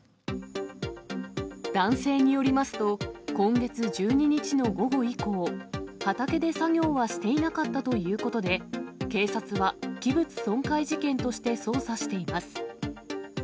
男性によりますと、今月１２日の午後以降、畑で作業はしていなかったということで、警察は器物損壊事件として捜査しています。